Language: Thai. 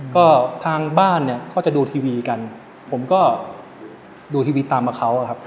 ก็ทางบ้านเนี่ยก็จะดูทีวีกันผมก็ดูทีวีตามกับเขาครับ